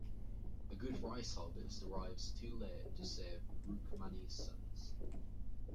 A good rice harvest arrives too late to save Rukmani's sons.